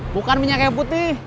bukan minyak kayu putih